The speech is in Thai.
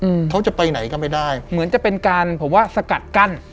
อืมเขาจะไปไหนก็ไม่ได้เหมือนจะเป็นการผมว่าสกัดกั้น